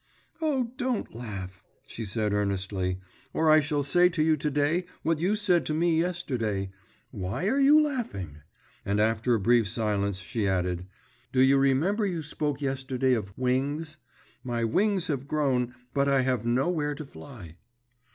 'Oh, don't laugh,' she said earnestly, 'or I shall say to you to day what you said to me yesterday, "why are you laughing?"' and after a brief silence she added, 'Do you remember you spoke yesterday of "wings"?… My wings have grown, but I have nowhere to fly.